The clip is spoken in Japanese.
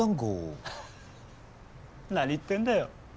何言ってんだよ。